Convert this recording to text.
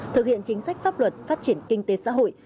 thực hiện chính sách pháp luật phát triển kinh tế xã hội